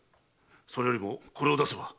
それよりもこれを出せば。